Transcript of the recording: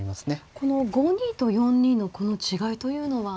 この５二と４二のこの違いというのは。